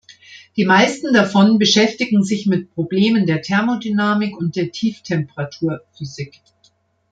Die meisten davon beschäftigten sich mit Problemen der Thermodynamik und der Tieftemperaturphysik.